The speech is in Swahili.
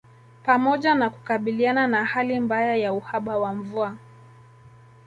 Pamoja na kukabiliana na hali mbaya ya uhaba wa mvua